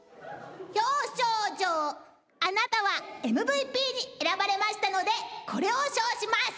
表彰状あなたはＭＶＰに選ばれましたのでこれを賞します。